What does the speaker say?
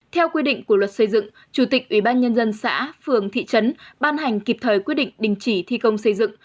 theo quy định của luật xây dựng chủ tịch ủy ban nhân dân xã phường thị trấn ban hành kịp thời quyết định đình chỉ thi công xây dựng